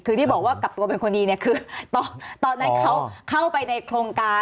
คือที่บอกว่ากลับตัวเป็นคนดีเนี่ยคือตอนนั้นเขาเข้าไปในโครงการ